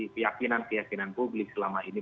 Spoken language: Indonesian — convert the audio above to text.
keyakinan keyakinan publik selama ini